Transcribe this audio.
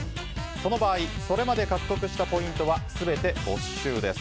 その場合、それまで獲得したポイントは全て没収です。